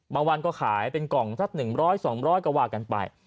บางวันก็ขายเป็นกล่องสัก๑๐๐๒๐๐ก็ว่ากันไป